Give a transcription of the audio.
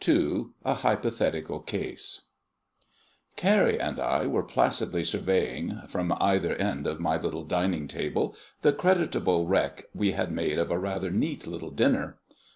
II A HYPOTHETICAL CASE Carrie and I were placidly surveying, from either end of my little dining table, the creditable wreck we had made of a rather neat little dinner.